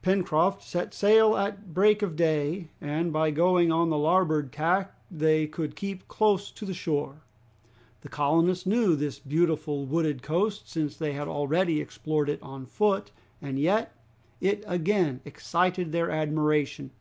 Pencroft set sail at break of day, and by going on the larboard tack they could keep close to the shore. The colonists knew this beautiful wooded coast, since they had already explored it on foot, and yet it again excited their admiration.